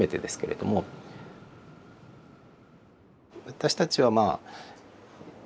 私たちはまあ